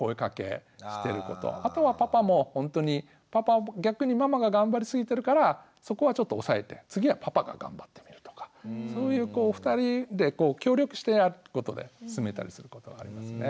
あとはパパもほんとに逆にママが頑張りすぎてるからそこはちょっと抑えて次はパパが頑張ってみるとかそういうこう２人で協力してやるってことで進めたりすることはありますね。